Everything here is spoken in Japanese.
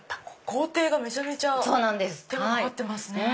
工程がめちゃめちゃ手間かかってますね。